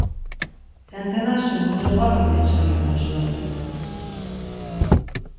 Tentenaşi mu coğap̌i meçare majura dunyas?